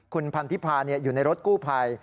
คุณพันธิพาอยู่ในรถกู้ภัย